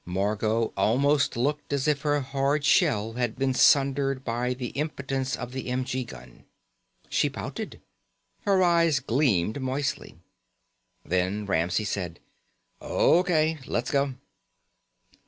Margot almost looked as if her hard shell had been sundered by the impotence of the m.g. gun. She pouted. Her eyes gleamed moistly. Then Ramsey said: "O.K. Let's go."